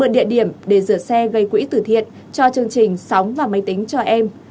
điểm để dở xe gây quỹ tử thiện cho chương trình sống và máy tính cho em